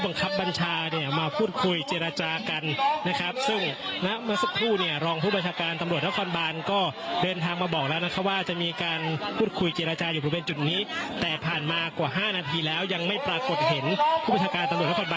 บังคับบัญชาเนี่ยมาพูดคุยเจรจากันนะครับซึ่งณเมื่อสักครู่เนี่ยรองผู้บัญชาการตำรวจนครบานก็เดินทางมาบอกแล้วนะคะว่าจะมีการพูดคุยเจรจาอยู่บริเวณจุดนี้แต่ผ่านมากว่า๕นาทีแล้วยังไม่ปรากฏเห็นผู้บัญชาการตำรวจนครบาน